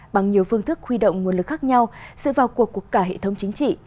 bằng nhiều phương thức huy động nguồn lực khác nhau sự vào cuộc của cả hệ thống chính trị